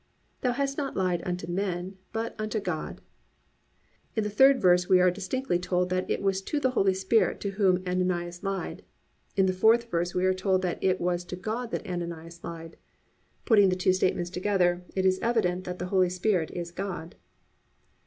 Thou hast not lied unto men, but unto God."+ In the third verse we are distinctly told that it was to the Holy Spirit to Whom Ananias lied, and in the fourth verse we are told that it was to God that Ananias lied. Putting the two statements together, it is evident that the Holy Spirit is God.